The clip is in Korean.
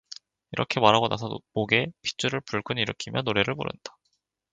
이렇게 말하고 나서 목에 핏줄을 불끈 일으키며 노래를 부른다.